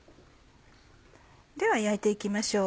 では焼いて行きましょう。